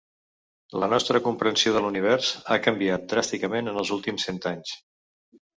La nostra comprensió de l’univers ha canviat dràsticament en els últims cent anys.